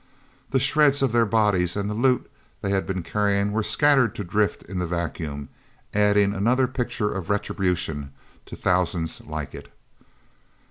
The shreds of their bodies and the loot they had been carrying were scattered to drift in the vacuum, adding another picture of retribution to thousands like it.